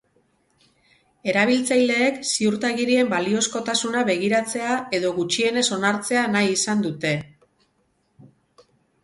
Erabiltzaileek ziurtagirien baliozkotasuna begiratzea edo, gutxienez, onartzea nahi izan dute.